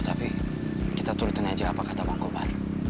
tapi kita turutin aja apa kata bang kopar